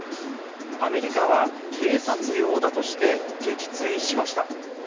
アメリカは偵察用だとして撃墜しました。